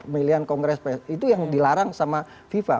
pilihan kongres itu yang dilarang sama fifa